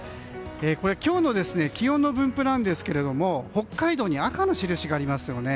これは今日の気温の分布なんですが北海道に赤のしるしがありますよね。